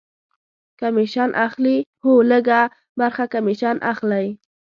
کمیشن اخلي؟ هو، لږ ه برخه کمیشن اخلی